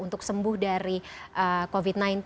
untuk sembuh dari covid sembilan belas